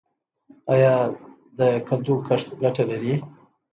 آیا د کدو کښت ګټه لري؟